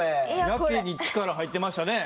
やけに力入ってましたね。